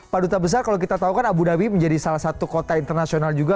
pak duta besar kalau kita tahu kan abu dhabi menjadi salah satu kota internasional juga